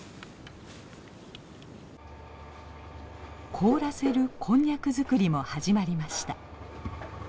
凍らせるこんにゃく作りも始まりました。